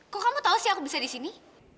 kok kamu tau sih aku bisa di sini